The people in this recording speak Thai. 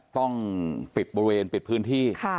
ต้องปิดบริเวณปิดพื้นที่